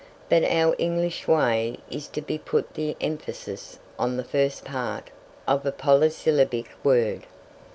But our English way is to put the emphasis on the first part of a polysyllabic word.